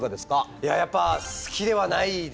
いややっぱ好きではないですね。